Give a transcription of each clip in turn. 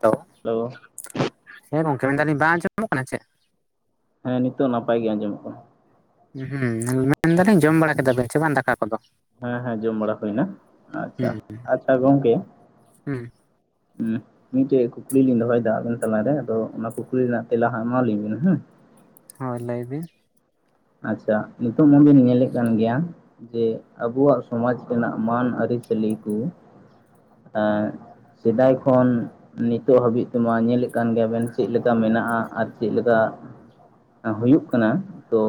ᱛᱚ ᱦᱮᱞᱳ ᱦᱮᱸ ᱜᱚᱝᱠᱮ ᱢᱮᱱ ᱫᱟᱹᱞᱤᱧ ᱵᱟᱝ ᱟᱸᱡᱚᱢᱚᱜ ᱠᱟᱱᱟ ᱪᱮᱫ? ᱦᱮᱸ ᱱᱤᱛᱳᱜ ᱱᱟᱯᱟᱭ ᱜᱮ ᱟᱸᱡᱚᱢᱚᱜ ᱠᱟᱱᱟ ᱾ ᱦᱩᱸ ᱢᱮᱱ ᱫᱟᱹᱞᱤᱧ ᱡᱚᱢ ᱵᱟᱲᱟ ᱠᱮᱫᱟ ᱵᱮᱱ ᱥᱮ ᱵᱟᱝ ᱫᱟᱠᱟ ᱠᱚᱫᱚ? ᱦᱮ, ᱦᱮᱸ ᱡᱚᱢ ᱵᱟᱲᱟ ᱦᱩᱭᱱᱟ ᱾ ᱟᱪᱪᱷᱟ, ᱦᱩᱸ ᱟᱪᱪᱷᱟ ᱜᱚᱝᱠᱮ ᱦᱩᱸ ᱦᱩᱸ ᱢᱤᱫᱴᱮᱡ ᱠᱩᱠᱞᱤ ᱞᱤᱧ ᱫᱚᱦᱚᱭ ᱫᱟ ᱟᱵᱮᱱ ᱛᱟᱞᱟ ᱨᱮ ᱟᱫᱚ, ᱚᱱᱟ ᱠᱩᱠᱞᱤ ᱨᱮᱱᱟᱜ ᱛᱮᱞᱟ ᱦᱟᱸᱜ ᱮᱢᱟ ᱞᱤᱧ ᱵᱮᱱ ᱦᱮᱸ᱾ ᱦᱳᱭ ᱞᱟᱹᱭ ᱵᱤᱱ᱾ ᱟᱪᱪᱷᱟ ᱱᱤᱛᱳᱜ ᱢᱟᱵᱤᱱ ᱧᱮᱞᱮᱜ ᱠᱟᱱ ᱜᱮᱭᱟ᱾ ᱡᱮ ᱟᱵᱩᱣᱟᱜ ᱥᱚᱢᱟᱡᱽ ᱨᱮᱱᱟᱜ ᱢᱟᱹᱱ ᱟᱹᱨᱤ ᱪᱟᱹᱞᱤ ᱠᱚ ᱮᱸᱻ ᱥᱮᱫᱟᱭ ᱠᱷᱚᱱ ᱱᱤᱛᱳᱜ ᱦᱟᱹᱵᱤᱡ ᱛᱮ ᱢᱟ ᱧᱮᱞᱮᱜ ᱠᱟᱱ ᱜᱮᱭᱟ ᱵᱮᱱ ᱪᱮᱫ ᱞᱮᱠᱟ ᱢᱮᱱᱟᱜ-ᱟ ᱟᱨ ᱪᱮᱫ ᱞᱮᱠᱟ ᱦᱩᱭᱩᱜ ᱠᱟᱱᱟ᱾ ᱛᱚ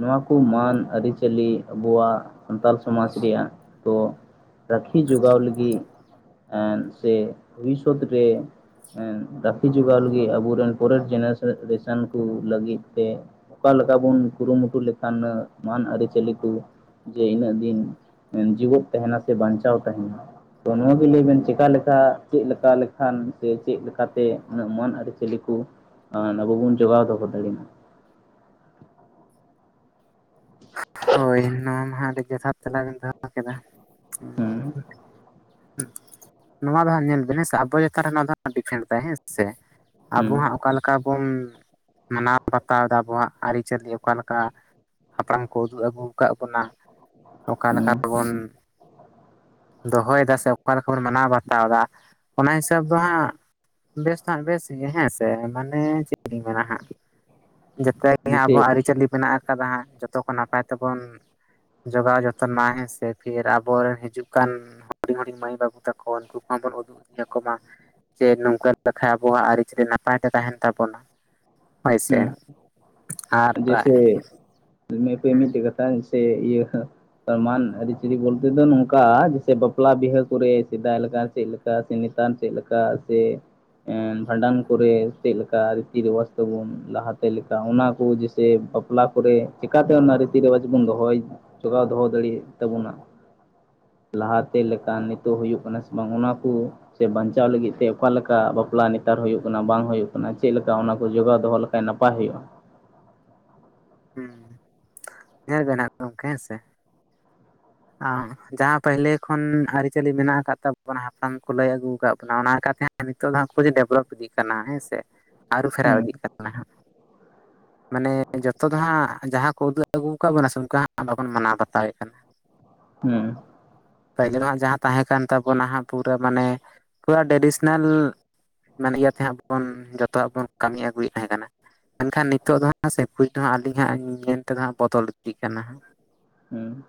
ᱱᱚᱣᱟ ᱠᱚ ᱢᱟᱹᱱ ᱟᱹᱨᱤ ᱪᱟᱹᱞᱤ ᱟᱵᱚᱣᱟᱜ ᱥᱟᱱᱛᱟᱞ ᱥᱚᱢᱟᱡᱽ ᱨᱮᱭᱟᱜ᱾ ᱛᱚ ᱨᱟᱹᱠᱷᱤ ᱡᱚᱜᱟᱣ ᱞᱟᱹᱜᱤᱫ ᱮᱸᱫ ᱥᱮ ᱵᱷᱚᱵᱤᱥᱚᱛ ᱨᱮ ᱨᱟᱹᱠᱷᱤ ᱡᱚᱜᱟᱣ ᱞᱟᱹᱜᱤᱫ ᱟᱵᱚ ᱨᱮᱱ ᱯᱚᱨᱮᱨ ᱡᱮᱱᱟᱨᱮᱥᱚᱱ ᱠᱚ ᱞᱟᱹᱜᱤᱫ ᱛᱮ᱾ ᱚᱠᱟ ᱞᱮᱠᱟ ᱵᱚᱱ ᱠᱩᱨᱩ ᱢᱩᱴᱩ ᱞᱮᱠᱷᱟᱱ ᱢᱟᱱ ᱟᱹᱨᱤ ᱪᱟᱹᱞᱤ ᱠᱚ᱾ ᱡᱮ ᱤᱱᱟᱹᱜ ᱫᱤᱱ ᱡᱤᱣᱮᱫ ᱛᱟᱦᱮᱱᱟ ᱥᱮ ᱵᱟᱧᱪᱟᱣ ᱛᱟᱦᱮᱱᱟ᱾ ᱛᱚ ᱱᱚᱣᱟ ᱜᱮ ᱞᱟᱹᱭ ᱵᱮᱱ ᱪᱮᱠᱟ ᱞᱮᱠᱟ ᱪᱮᱫ ᱞᱮᱠᱟ ᱞᱮᱠᱷᱟᱱ ᱥᱮ ᱪᱮᱫ ᱞᱮᱠᱟᱛᱮ ᱩᱱᱟᱹᱜ ᱢᱟᱹᱱ ᱟᱹᱨᱤ ᱪᱟᱹᱞᱤ ᱠᱚ ᱟᱱ ᱟᱵᱚ ᱵᱚᱱ ᱡᱚᱜᱟᱣ ᱫᱚᱦᱚ ᱫᱟᱲᱤᱜᱢᱟ᱾ ᱦᱳᱭ ᱱᱚᱣᱟ ᱢᱟᱦᱟᱸᱜ ᱟᱹᱰᱤ ᱡᱚᱛᱷᱟᱛ ᱛᱮᱞᱟ ᱵᱮᱱ ᱫᱚᱦᱚ ᱠᱮᱫᱟ᱾ ᱦᱮᱸ ᱦᱩᱸ ᱱᱚᱣᱟ ᱫᱚ ᱦᱟᱸᱜ ᱧᱮᱞ ᱵᱮᱱ ᱦᱮᱸ ᱥᱮ ᱟᱵᱚ ᱪᱮᱛᱟᱱ ᱨᱮ ᱱᱚᱣᱟ ᱫᱚ ᱦᱟᱸᱜ ᱰᱤᱯᱷᱮᱱᱴ ᱫᱟᱭ ᱦᱮᱸ ᱥᱮ᱾ ᱦᱩᱸ ᱟᱵᱚ ᱦᱟᱸᱜ ᱚᱠᱟ ᱞᱮᱠᱟ ᱵᱚᱱ ᱢᱟᱱᱟᱣ ᱵᱟᱛᱟᱣᱫᱟ ᱟᱵᱚᱣᱟᱜ ᱟᱹᱨᱤᱪᱟᱹᱞᱤ ᱚᱠᱟ ᱞᱮᱠᱟ ᱦᱟᱯᱲᱟᱢ ᱠᱚ ᱩᱫᱩᱜ ᱟᱹᱜᱩᱣ ᱠᱟᱫ ᱵᱚᱱᱟ ᱚᱠᱟ ᱞᱮᱠᱟ ᱦᱩᱸ ᱵᱚᱱ ᱫᱚᱦᱚᱭᱫᱟ ᱥᱮ ᱚᱠᱟ ᱞᱮᱠᱟ ᱵᱚᱱ ᱢᱟᱱᱟᱣ ᱵᱟᱛᱟᱣᱫᱟ ᱚᱱᱟ ᱦᱤᱥᱟᱹᱵ ᱫᱚ ᱦᱟᱸᱜ ᱵᱮᱥ ᱫᱚ ᱦᱟᱸᱜ ᱵᱮᱥ ᱜᱮ ᱦᱮᱸ ᱥᱮ ᱢᱟᱱᱮ ᱪᱤᱜ ᱤᱧ ᱢᱮᱱᱟ ᱦᱟᱸᱜ ᱡᱮᱛᱮ ᱜᱮ ᱦᱟᱸᱜ ᱡᱮᱭᱥᱮ ᱟᱵᱚᱣᱟᱜ ᱟᱹᱨᱤᱪᱟᱹᱞᱤ ᱢᱮᱱᱟᱜ ᱟᱠᱟᱫᱟ ᱦᱟᱸᱜ᱾ ᱛᱚ ᱠᱚ ᱱᱟᱯᱟᱭ ᱛᱮᱵᱚᱱ ᱡᱚᱜᱟᱣ ᱡᱚᱛ ᱛᱚᱱᱟ ᱦᱮᱸᱥᱮ ᱯᱷᱤᱨ ᱟᱵᱚᱨᱮᱱ ᱦᱤᱡᱩᱜ ᱠᱟᱱ ᱦᱩᱰᱤᱧ ᱦᱩᱰᱤᱝ ᱢᱟᱹᱭ ᱵᱟᱹᱵᱩ ᱛᱟᱠᱚ ᱩᱱᱠᱩ ᱠᱚᱦᱚᱸ ᱵᱚᱱ ᱩᱫᱩᱜ ᱭᱟᱹᱠᱚᱢᱟ ᱡᱮ ᱱᱚᱝᱠᱟ ᱞᱮᱠᱷᱟᱡ ᱟᱵᱚᱣᱟᱜ ᱟᱹᱨᱤᱪᱟᱹᱞᱤ ᱱᱟᱯᱟᱭ ᱛᱮ ᱛᱟᱦᱮᱸᱱ ᱛᱟᱵᱚᱱᱟ᱾ ᱦᱳᱭ ᱥᱮ ᱦᱩᱸ ᱟᱨ ᱯᱨᱟᱭ ᱫᱚᱢᱮ ᱯᱟᱹᱭ ᱢᱤᱴᱴᱮᱡ ᱠᱟᱛᱷᱟᱧ ᱫᱤᱥᱟᱹᱭᱮᱜ ᱤᱭᱟᱹ ᱦᱟᱹᱜ ᱥᱚᱞᱢᱟᱱ ᱟᱹᱨᱤᱪᱟᱹᱤ ᱵᱚᱞᱛᱮ ᱫᱚ ᱱᱚᱝᱠᱟ ᱡᱮᱭᱥᱮ ᱵᱟᱯᱞᱟ ᱵᱤᱦᱟᱹ ᱠᱚᱨᱮ ᱥᱮᱫᱟᱭ ᱞᱮᱠᱟ ᱪᱮᱫ ᱞᱮᱠᱟ ᱠᱟ ᱥᱮ ᱱᱮᱛᱟᱨ ᱪᱮᱫ ᱞᱮᱠᱟ ᱥᱮ ᱮᱸᱱ ᱵᱷᱟᱸᱰᱟᱱ ᱠᱚᱨᱮ ᱪᱮᱫ ᱞᱮᱠᱟ ᱨᱤᱛᱤ ᱨᱮᱣᱟᱡ ᱛᱟᱹᱵᱩᱱ ᱞᱟᱦᱟᱛᱮ ᱞᱮᱠᱟ ᱚᱱᱟ ᱠᱚ ᱡᱟᱥ ᱛᱮ ᱵᱟᱯᱞᱟ ᱠᱚᱨᱮ ᱪᱤᱠᱟᱛᱮ ᱚᱱᱟ ᱨᱤᱛᱤ ᱨᱮᱣᱟᱡ ᱵᱚᱱ ᱫᱚᱦᱚᱭ ᱡᱚᱜᱟᱣ ᱫᱚᱦᱚ ᱫᱟᱲᱤᱭᱮᱫ ᱛᱟᱵᱚᱱᱟ ᱞᱟᱦᱟᱛᱮ ᱞᱮᱠᱟ ᱱᱤᱛᱚᱜ ᱦᱩᱭᱩᱜ ᱠᱟᱱᱟ ᱥᱮ ᱵᱟᱝ ᱚᱱᱟ ᱠᱩ ᱥᱮ ᱵᱟᱧᱪᱟᱣ ᱞᱟᱹᱜᱤᱫ ᱛᱮ ᱚᱠᱟ ᱞᱮᱠᱟ ᱵᱟᱯᱞᱟ ᱱᱮᱛᱟᱨ ᱦᱩᱭᱩᱜ ᱠᱟᱱᱟ ᱵᱟᱝ ᱦᱩᱭᱩᱜ ᱠᱟᱱᱟ ᱪᱮᱫ ᱞᱮᱠᱟ ᱚᱱᱟ ᱠᱚ ᱡᱚᱜᱟᱣ ᱫᱚᱦᱚ ᱥᱮ ᱱᱟᱯᱟᱭ ᱦᱩᱭᱩᱜᱼᱟ᱾ ᱦᱩᱸ, ᱧᱮᱞ ᱵᱮᱱ ᱦᱟᱸᱜ ᱜᱚᱝᱠᱮ ᱦᱮᱸ ᱥᱮ᱾ ᱟᱸᱜ ᱡᱟᱦᱟᱸ ᱯᱟᱹᱦᱞᱮ ᱠᱷᱚᱱ ᱟᱹᱨᱤᱪᱟᱹᱞᱤ ᱢᱮᱱᱟᱜ ᱟᱠᱟᱫ ᱛᱟᱵᱚᱱᱟ ᱦᱟᱯᱲᱟᱢ ᱠᱚ ᱞᱟᱹᱭ ᱟᱹᱜᱩᱣ ᱠᱟᱫ ᱵᱚᱱᱟ ᱚᱱᱟ ᱞᱮᱠᱟᱛᱮ ᱦᱟᱸᱜ ᱱᱤᱛᱚᱜ ᱫᱚ ᱦᱟᱸᱜ ᱠᱷᱩᱫᱤ ᱰᱮᱵᱷᱚᱞᱚᱯ ᱤᱫᱤᱜ ᱠᱟᱱᱟ ᱦᱮᱸ ᱥᱮ ᱟᱹᱨᱩ ᱯᱷᱮᱨᱟᱣ ᱦᱩᱸ ᱤᱫᱤᱜ ᱠᱟᱱᱟ ᱦᱟᱸᱜ᱾ ᱢᱟᱱᱮ ᱡᱚᱛᱚ ᱫᱚ ᱦᱟᱸᱜ ᱡᱟᱦᱟᱸ ᱠᱚ ᱩᱫᱩᱜ ᱟᱹᱜᱩᱣ ᱠᱟᱫ ᱵᱚᱱᱟ ᱥᱮ ᱚᱱᱠᱟ ᱦᱟᱸᱜ ᱵᱟᱵᱚᱱ ᱢᱟᱱᱟᱣ ᱵᱟᱛᱟᱣᱮᱫ ᱠᱟᱱᱟ᱾ ᱦᱩᱸ ᱯᱟᱹᱭᱞᱟᱹᱱᱫ ᱦᱟᱸᱜ ᱡᱟᱦᱟᱸ ᱛᱟᱦᱮᱸ ᱠᱟᱱ ᱛᱟᱵᱚᱱᱟ ᱦᱟᱸᱜ ᱯᱩᱨᱟᱹ ᱢᱟᱱᱮ ᱯᱩᱨᱟ ᱴᱨᱮᱰᱤᱥᱮᱱᱟᱞ ᱢᱮᱱ ᱤᱭᱟᱹ ᱛᱮ ᱦᱟᱸᱜ ᱵᱚᱱ ᱡᱚᱛᱚᱣᱟᱜ ᱵᱚᱱ ᱠᱟᱹᱢᱤ ᱟᱹᱜᱩᱭᱮᱫ ᱛᱟᱦᱮᱸ ᱠᱟᱱᱟ᱾ ᱢᱮᱱᱠᱷᱟᱱ ᱱᱤᱛᱚᱜ ᱫᱚ ᱦᱟᱸᱜ ᱥᱮ ᱠᱩᱡ ᱫᱚ ᱦᱟᱸᱜ ᱟᱹᱞᱤᱧ ᱦᱟᱸᱜ ᱢᱮᱱ ᱛᱮᱫᱚ ᱦᱟᱸᱜ ᱵᱚᱫᱚᱞ ᱤᱫᱤᱜ ᱠᱟᱱᱟ ᱦᱟᱸᱜ᱾ ᱦᱩᱸ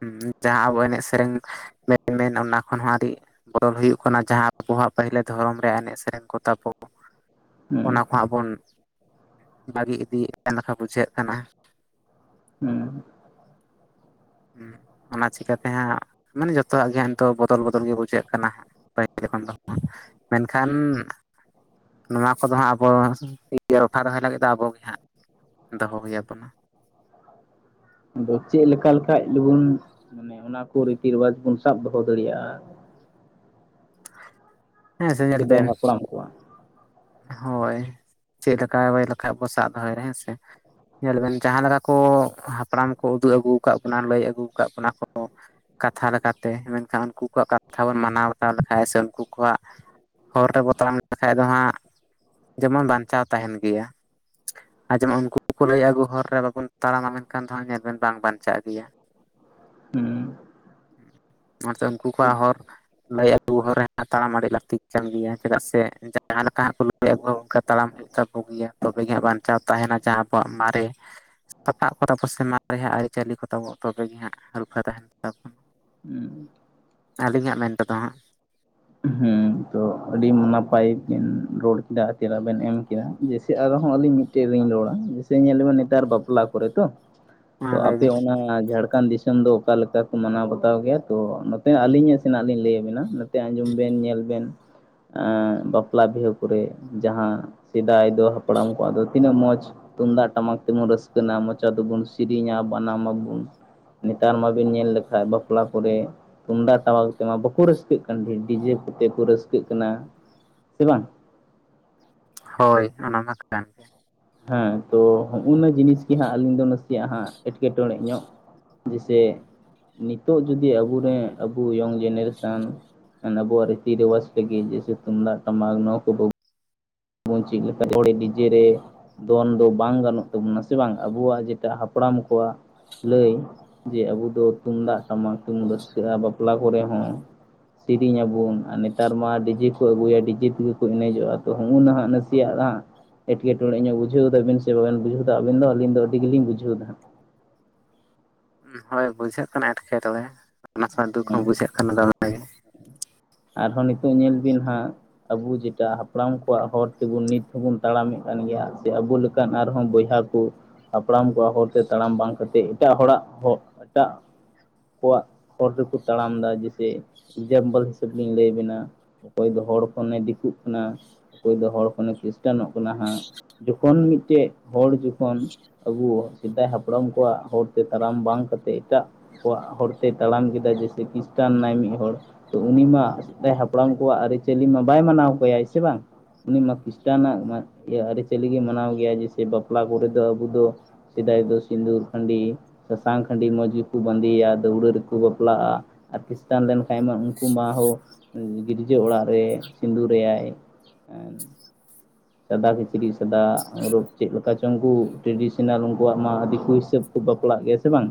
ᱦᱩᱸ ᱡᱟᱦᱟᱸ ᱟᱵᱚ ᱮᱱᱮᱡ ᱥᱮᱨᱮᱧ ᱵᱮᱱ ᱢᱮᱱ ᱚᱱᱟ ᱠᱷᱚᱱ ᱦᱚᱸ ᱟᱹᱰᱤ ᱵᱚᱫᱚᱞ ᱦᱩᱭᱩᱜ ᱠᱟᱱᱟ ᱡᱟᱦᱟᱸ ᱟᱵᱚ ᱦᱟᱸᱜ ᱯᱟᱹᱭᱞᱟᱹ ᱫᱷᱚᱨᱚᱢ ᱨᱮ ᱮᱱᱮᱡ ᱥᱮᱨᱮᱧ ᱠᱚ ᱛᱟᱵᱚ ᱦᱩᱸ ᱚᱱᱟ ᱠᱚᱦᱟᱸᱜ ᱵᱚᱱ ᱵᱷᱟᱜᱤ ᱤᱫᱤᱭᱮᱫ ᱠᱟᱱ ᱞᱮᱠᱟ ᱵᱩᱡᱷᱟᱹᱜ ᱠᱟᱱᱟ᱾ ᱩᱸ ᱩᱸᱜ ᱚᱱᱟ ᱪᱤᱠᱟᱛᱮ ᱦᱟᱸᱜ ᱢᱟᱱᱮ ᱡᱚᱛᱚᱣᱟᱜ ᱜᱮ ᱦᱟᱸᱜ ᱱᱤᱛᱚᱜ ᱵᱚᱫᱚᱞ ᱵᱚᱫᱚᱞ ᱜᱮ ᱵᱩᱡᱷᱟᱹᱜ ᱠᱟᱱᱟ ᱦᱟᱸᱜ᱾ ᱯᱟᱹᱦᱤᱞ ᱡᱚᱠᱷᱚᱱ ᱛᱚᱠᱷᱚᱱ ᱢᱮᱱᱠᱷᱟᱱ ᱱᱚᱣᱟ ᱠᱚᱫᱚ ᱦᱟᱸᱜ ᱟᱵᱚ ᱤᱭᱟᱹ ᱨᱚᱠᱷᱟ ᱨᱚᱦᱚᱭ ᱞᱟᱹᱜᱤᱫ ᱫᱚ ᱟᱵᱚᱜᱮ ᱦᱟᱸᱜ ᱫᱚᱦᱚ ᱦᱩᱭ ᱟᱵᱚᱱᱟ᱾ ᱟᱫᱚ ᱪᱮᱫ ᱞᱮᱠᱟ ᱞᱮᱠᱷᱟᱡ ᱫᱩᱵᱩᱱ ᱢᱟᱱᱮ ᱚᱱᱟ ᱠᱚ ᱨᱤᱛᱤ ᱨᱮᱣᱟᱡᱽ ᱵᱚᱱ ᱥᱟᱵ ᱫᱚᱦᱚ ᱫᱟᱲᱮᱭᱟᱜ-ᱟ? ᱦᱮᱸ ᱥᱮ ᱧᱮᱞ ᱥᱮᱫᱟᱭ ᱵᱮᱱ ᱦᱟᱯᱲᱟᱢ ᱠᱚᱣᱟᱜ ᱦᱳᱭ ᱪᱮᱫ ᱞᱮᱠᱟ ᱦᱩᱭ ᱞᱮᱠᱷᱟᱡ ᱵᱚ ᱥᱟᱵ ᱫᱚᱦᱚᱭ ᱨᱮ ᱦᱮᱸ ᱥᱮ᱾ ᱧᱮᱞ ᱵᱮᱱ ᱡᱟᱦᱟᱸ ᱞᱮᱠᱟ ᱠᱚ ᱦᱟᱯᱲᱟᱢ ᱠᱚ ᱩᱫᱩᱜ ᱟᱹᱜᱩᱣ ᱠᱟᱫ ᱵᱚᱱᱟ ᱞᱟᱹᱭ ᱟᱹᱜᱩᱣ ᱠᱟᱫ ᱵᱚᱱᱟ ᱠᱚ ᱠᱟᱛᱷᱟ ᱞᱮᱠᱟᱛᱮ ᱢᱮᱱᱠᱷᱟᱱ ᱩᱱᱠᱩ ᱠᱚᱣᱟᱜ ᱠᱟᱛᱷᱟ ᱵᱚᱱ ᱢᱟᱱᱟᱣ ᱵᱟᱛᱟᱣ ᱞᱮᱠᱷᱟᱡ ᱥᱮ ᱩᱱᱠᱩ ᱠᱚᱣᱟᱜ ᱦᱚᱨ ᱛᱮᱵᱚ ᱛᱟᱲᱟᱢ ᱞᱮᱠᱷᱟᱡ ᱫᱚ ᱦᱟᱸᱜ ᱡᱮᱢᱚᱱ ᱵᱟᱧᱪᱟᱣ ᱛᱟᱦᱮᱸᱱ ᱜᱮᱭᱟ᱾ ᱟᱨ ᱡᱮᱢᱚᱱ ᱩᱱᱠᱩ ᱠᱚ ᱞᱟᱹᱭ ᱟᱹᱜᱩ ᱦᱚᱨ ᱨᱮ ᱵᱟᱵᱚᱱ ᱛᱟᱲᱟᱢᱟ ᱢᱮᱱᱠᱷᱟᱱ ᱫᱚ ᱦᱟᱸᱜ ᱧᱮᱞᱵᱮᱱ ᱵᱟᱝ ᱵᱟᱧᱪᱟᱜ ᱜᱮᱭᱟ᱾ ᱦᱩᱸ ᱾ ᱚᱱᱟᱛᱮ ᱩᱱᱠᱩ ᱠᱚᱣᱟᱜ ᱦᱚᱨ ᱞᱟᱹᱭ ᱟᱜᱩ ᱦᱚᱨ ᱨᱮ ᱛᱟᱲᱟᱢ ᱟᱲᱤ ᱞᱟᱹᱠᱛᱤ ᱠᱟᱱ ᱜᱮᱭᱟ ᱪᱮᱫᱟᱜ ᱥᱮ ᱡᱟᱦᱟᱸ ᱞᱮᱠᱟ ᱦᱟᱸᱜ ᱠᱚ ᱞᱟᱹᱭ ᱟᱹᱜᱩᱣ ᱚᱱᱠᱟ ᱛᱟᱲᱟᱢ ᱦᱩᱭᱩᱜᱼᱟ ᱾ ᱢᱮᱛᱟ ᱠᱚᱜᱮᱭᱟ ᱛᱚᱵᱮ ᱜᱮ ᱦᱟᱸᱜ ᱵᱟᱧᱪᱟᱣ ᱛᱟᱦᱮᱱᱟ ᱡᱟᱦᱟᱸ ᱟᱵᱚᱣᱟᱜ ᱢᱟᱨᱮ ᱥᱟᱯᱟᱵ ᱠᱚᱛᱟᱵᱚ ᱥᱮᱢᱟ ᱨᱮ ᱦᱟᱜ ᱟᱹᱨᱤᱪᱟᱹᱞᱤ ᱠᱚ ᱛᱟᱵᱚ ᱛᱚᱵᱮ ᱜᱮ ᱦᱟᱸᱜ ᱨᱩᱠᱷᱟᱹ ᱛᱟᱦᱮᱱᱟ ᱾ ᱦᱩᱸ ᱾ ᱟᱹᱞᱤᱧᱟᱜ ᱢᱮᱱ ᱛᱮᱫᱚ ᱦᱟᱸᱜ ᱾ ᱦᱩᱸ ᱾ ᱛᱚ ᱟᱹᱰᱤ ᱱᱟᱯᱟᱭ ᱵᱮᱱ ᱨᱚᱲ ᱠᱮᱫᱟ ᱪᱮᱫ ᱵᱮᱱ ᱮᱢ ᱠᱮᱫᱟ ᱡᱮᱭᱥᱮ ᱟᱨᱦᱚᱸ ᱟᱹᱞᱤᱧ ᱢᱤᱫ ᱴᱮᱜ ᱨᱤᱧ ᱨᱚᱲᱟ ᱡᱮᱭᱥᱮ ᱧᱮᱞ ᱞᱮ ᱢᱮ ᱱᱮᱛᱟᱨ ᱵᱟᱯᱞᱟ ᱠᱚᱨᱮ ᱛᱚ, ᱛᱚ ᱢᱟ ᱞᱟᱹᱭ ᱟᱯᱮ ᱵᱤᱱ ᱚᱱᱟ ᱡᱷᱟᱲᱠᱷᱚᱱᱰ ᱫᱤ ᱥᱚᱢ ᱫᱚ ᱚᱠᱟ ᱞᱮᱠᱟ ᱠᱚ ᱢᱟᱱᱟᱣ ᱵᱟᱛᱟᱣ ᱜᱮᱭᱟ ᱛᱚ ᱱᱚᱛᱮ ᱟᱹᱞᱤᱧ ᱥᱮᱱᱟᱜ ᱞᱤᱧ ᱞᱟᱹᱭ ᱟᱵᱤᱱᱟ ᱾ ᱛᱮ ᱟᱸᱡᱚᱢ ᱵᱮᱱ ᱧᱮᱞ ᱵᱮᱱ ᱾ ᱟ ᱵᱟᱯᱞᱟ ᱵᱤᱦᱟᱹ ᱠᱚᱨᱮ ᱡᱟᱦᱟᱸ ᱥᱮᱫᱟᱭ ᱫᱚ ᱦᱟᱯᱲᱟᱢ ᱠᱚᱣᱟᱜ ᱫᱚ ᱛᱤᱱᱟᱹᱜ ᱢᱚᱡᱽ ᱛᱩᱢᱫᱟᱜ ᱴᱟᱢᱟᱠ ᱛᱮᱵᱚᱱ ᱨᱟᱹᱥᱠᱟᱹᱱᱟ ᱢᱚᱪᱟ ᱫᱚᱵᱚᱱ ᱥᱮᱨᱮᱧᱟ ᱵᱟᱱᱟᱢ ᱟᱵᱚᱱ ᱾ ᱱᱮᱛᱟᱨ ᱢᱟᱵᱤᱱ ᱧᱮᱞ ᱞᱮᱠᱷᱟᱡ ᱵᱟᱯᱞᱟ ᱠᱚᱨᱮ ᱛᱩᱢᱫᱟᱜ ᱴᱟᱢᱟᱠ ᱛᱮᱢᱟ ᱵᱟᱠᱚ ᱨᱟᱹᱥᱠᱟᱹᱜ ᱠᱟᱱ ᱰᱤᱡᱮ ᱠᱚᱛᱮ ᱠᱚ ᱨᱟᱹᱥᱠᱟᱹᱜ ᱠᱟᱱᱟ ᱥᱮ ᱵᱟᱝ! ᱦᱳᱭ ᱚᱱᱟ ᱢᱟ ᱠᱟᱱ ᱜᱮᱭᱟ ᱾ ᱦᱮᱸ ᱛᱚ ᱦᱚᱜᱼᱚᱱᱟ ᱡᱤᱱᱤᱥ ᱜᱮ ᱦᱟᱸᱜ ᱟᱹᱞᱤᱧ ᱫᱚ ᱱᱟᱥᱮᱭᱟᱜ ᱦᱟᱜ ᱮᱸᱴᱠᱮᱴᱚᱬᱮ ᱧᱚᱜ ᱡᱮᱭᱥᱮ ᱱᱤᱛᱚᱜ ᱡᱩᱫᱤ ᱟᱵᱩᱨᱮᱱ ᱟᱵᱩ ᱤᱭᱚᱝ ᱡᱮᱱᱟᱨᱮᱥᱚᱱ ᱟᱵᱚᱣᱟᱜ ᱨᱤᱛᱤ ᱨᱮᱣᱟᱡ ᱯᱮᱜᱮ ᱡᱮᱭᱥᱮ ᱛᱩᱢᱫᱟᱜ ᱴᱟᱢᱟᱠ ᱱᱚᱣᱟ ᱠᱚ ᱵᱟ ᱵᱚᱱ [unintelligible] ᱰᱤᱡᱮ ᱨᱮ ᱫᱚᱱ ᱫᱚ ᱵᱟᱝ ᱜᱟᱱᱚᱜ ᱛᱟᱵᱚᱱᱟ ᱥᱮ ᱵᱟᱝ ᱟᱵᱚᱣᱟᱜ ᱡᱮᱴᱟ ᱦᱟᱯᱲᱟᱢ ᱠᱚᱣᱟᱜ ᱞᱟᱹᱭ ᱡᱮ ᱟᱵᱚ ᱫᱚ ᱛᱩᱢᱫᱟᱜ ᱴᱟᱢᱟᱠ ᱛᱮᱵᱩᱱ ᱨᱟᱹᱥᱠᱟᱹᱜᱼᱟ ᱵᱟᱯᱞᱟ ᱠᱚᱨᱮ ᱦᱚᱸ ᱾ ᱥᱮᱨᱮᱧ ᱟᱵᱚᱱ ᱟᱨ ᱱᱮᱛᱟᱨ ᱢᱟ ᱰᱤᱡᱮ ᱠᱚ ᱟᱹᱜᱩᱭᱟ ᱰᱤᱡᱮ ᱛᱮᱜᱮ ᱠᱚ ᱮᱱᱮᱡᱚᱜᱼᱟ ᱛᱚ, ᱦᱩᱜᱼᱚ ᱱᱟ ᱦᱟᱸᱜ ᱱᱟᱥᱮᱭᱟᱜ ᱦᱟᱸᱜ ᱮᱴᱠᱮᱴᱚᱬᱮ ᱧᱚᱜ ᱵᱩᱡᱷᱟᱹᱣ ᱫᱟᱵᱤᱱ ᱥᱮ ᱵᱟᱵᱮᱱ ᱵᱩᱡᱟᱹᱣᱫᱟ ᱟᱵᱤᱱ ᱫᱚ ᱟᱹᱞᱤᱧ ᱟᱹᱰᱤ ᱜᱮᱞᱤᱝ ᱡᱷᱟᱹᱣᱫᱟ ᱦᱟᱸᱜ ᱾ ᱦᱳᱭ ᱵᱩᱡᱷᱟᱹᱜ ᱠᱟᱱᱟ ᱮᱴᱠᱮᱴᱚᱬᱮ, ᱚᱱᱟ ᱥᱟᱶ ᱫᱩᱠ ᱦᱚᱸ ᱦᱮᱸ ᱵᱩᱡᱷᱟᱹᱜ ᱠᱟᱱᱟ ᱫᱚᱢᱮ ᱜᱮ᱾ ᱟᱨᱦᱚᱸ ᱱᱤᱛᱚᱜ ᱧᱮᱞ ᱵᱤᱱ ᱦᱟᱸᱜ ᱟᱵᱚ ᱡᱮᱴᱟ ᱦᱟᱯᱲᱟᱢ ᱠᱚᱣᱟᱜ ᱦᱚᱨ ᱛᱮᱵᱚᱱ ᱱᱤᱛ ᱦᱚᱸᱵᱚᱱ ᱛᱟᱲᱟᱢᱮᱫ ᱠᱟᱱ ᱜᱮᱭᱟ ᱥᱮ ᱟᱵᱚ ᱞᱮ ᱠᱟᱱ ᱟᱨᱦᱚᱸ ᱵᱚᱭᱦᱟ ᱠᱚ ᱦᱟᱯᱲᱟᱢ ᱠᱚᱣᱟᱜ ᱦᱚᱨᱛᱮ ᱛᱟᱲᱟᱢ ᱵᱟᱝ ᱠᱟᱛᱮᱫ ᱮᱴᱟᱜ ᱦᱚᱲᱟᱜ ᱦᱚᱜ ᱮᱴᱟᱜ ᱠᱚᱣᱟᱜ ᱦᱚᱨ ᱨᱮᱠᱚ ᱛᱟᱲᱟᱢ ᱫᱟ ᱡᱮᱭᱥᱮ ᱡᱟᱢᱵᱟᱞ ᱦᱤᱥᱟᱹᱵ ᱞᱤᱧ ᱞᱟᱹᱭ ᱟᱵᱮᱱᱟ ᱚᱠᱚᱭ ᱫᱚ ᱦᱚᱲ ᱠᱷᱚᱱᱮ ᱫᱤᱠᱩᱜ ᱠᱟᱱᱟ, ᱚᱠᱚᱭ ᱫᱚ ᱦᱚᱲ ᱠᱷᱚᱱᱮ ᱠᱷᱨᱤᱥᱴᱟᱱᱚᱜ ᱠᱟᱱᱟ ᱦᱟᱸᱜ ᱾ ᱡᱚᱠᱷᱚᱱ ᱢᱤᱫᱴᱮᱡ ᱦᱚᱲ ᱡᱚᱠᱷᱚᱱ ᱟᱵᱚᱣᱟᱜ ᱥᱮᱫᱟᱭ ᱦᱟᱯᱲᱟᱢ ᱠᱚᱣᱟᱜ ᱦᱚᱨᱛᱮ ᱛᱟᱲᱟᱢ ᱵᱟᱝ ᱠᱟᱛᱮᱫ ᱮᱴᱟᱜ ᱠᱚᱣᱟᱜ ᱦᱚᱲ ᱛᱮ ᱛᱟᱲᱟᱢ ᱠᱮᱫᱟ ᱡᱮᱭᱥᱮ ᱠᱷᱤᱥᱴᱟᱱ ᱱᱟᱭ ᱢᱤᱫ ᱦᱚᱲ, ᱛᱚ ᱩᱱᱤ ᱢᱟ ᱥᱮᱫᱟᱭ ᱦᱟᱯᱲᱟᱢ ᱠᱚᱣᱟᱜ ᱟᱹᱨᱤᱪᱟᱹᱞᱤ ᱢᱟ ᱵᱟᱭ ᱢᱟᱱᱟᱣ ᱠᱮᱭᱟ ᱥᱮ ᱵᱟᱝ! ᱩᱱᱤ ᱢᱟ ᱠᱷᱤᱥᱴᱱᱟᱜ ᱤᱭᱟᱹ ᱟᱹᱨᱤᱪᱟᱹᱞᱤ ᱜᱮ ᱢᱟᱱᱟᱣ ᱜᱮᱭᱟ ᱡᱮᱭᱥᱮ ᱵᱟᱯᱞᱟ ᱠᱚᱨᱮ ᱫᱚ ᱟᱵᱚ ᱫᱚ ᱥᱮᱫᱟᱭ ᱫᱚ ᱥᱤᱫᱩᱨ ᱠᱷᱟᱸᱰᱤ ᱥᱟᱥᱟᱝ ᱠᱷᱟᱸᱰᱤ ᱢᱚᱸᱡᱽ ᱜᱮᱠᱚ ᱵᱟᱸᱫᱮᱭᱟ ᱫᱟᱹᱣᱲᱟᱹ ᱨᱮᱠᱚ ᱵᱟᱯᱞᱟᱜᱼᱟ, ᱟᱨ ᱠᱷᱤᱥᱴᱟᱱ ᱞᱮᱱᱠᱷᱟᱡ ᱢᱟ ᱠᱩ ᱢᱟ ᱦᱚᱸ ᱜᱤᱨᱡᱟᱹ ᱚᱲᱟᱜ ᱨᱮ ᱥᱤᱸᱫᱩᱨᱭᱟᱭ ᱾ ᱥᱟᱫᱟ ᱠᱤᱪᱨᱤᱡ ᱥᱟᱫᱟᱨᱚᱵ ᱨᱳᱯ ᱪᱮᱫ ᱞᱮᱠᱟ ᱪᱚᱝ ᱩᱱᱠᱩ ᱴᱨᱮᱰᱤᱥᱚᱱᱟᱞ ᱩᱱᱠᱩᱣᱟᱜ ᱢᱟ ᱫᱤᱠᱩ ᱦᱤᱥᱟᱹᱵᱽ ᱠᱩ ᱵᱟᱯᱞᱟᱜ ᱜᱮᱭᱟ ᱥᱮ ᱵᱟᱝ!